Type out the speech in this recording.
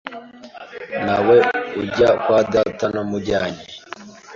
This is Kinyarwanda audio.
nta we ujya kwa Data ntamujyanye